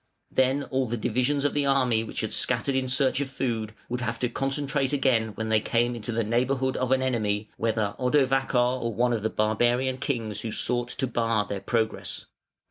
Then all the divisions of the army which had scattered in search of food would have to concentrate again when they came into the neighbourhood of an enemy, whether Odovacar or one of the barbarian kings who sought to bar their progress.